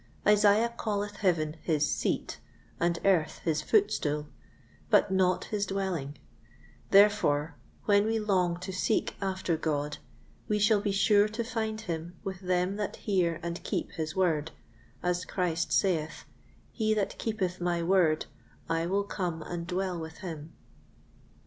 Isaiah calleth heaven his "seat," and earth his "footstool," but not his dwelling; therefore, when we long to seek after God, we shall be sure to find him with them that hear and keep his Word, as Christ saith, "He that keepeth my Word, I will come and dwell with him."